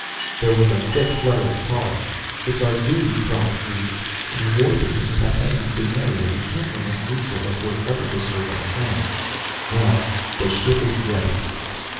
There was a quick flutter of cars. "It's our duty," Krhal agreed. "In a war between Cathay and Kloomiria, we can't remain neutral if we're ever to serve our friends. Well, the ship is ready!"